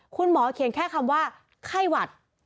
คุณหมอเขียนแค่คำว่าไข้หวัด